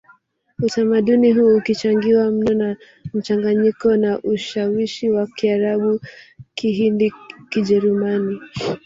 Utamaduni huu ukichangiwa mno na mchanganyiko na ushawishi wa Kiarabu Kihindi Kijerumani